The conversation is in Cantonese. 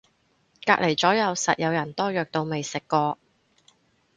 隔離咗右實有人多藥到未食過